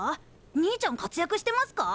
兄ちゃん活躍してますか？